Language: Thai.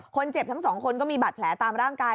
คนเจ็บทั้งสองคนก็มีบาดแผลตามร่างกาย